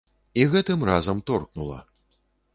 І гэтым разам торкнула.